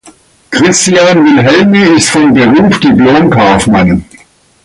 Christian Wilhelmi ist von Beruf Diplom-Kaufmann.